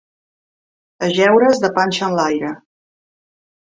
Ajeure's de panxa enlaire.